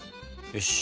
よし。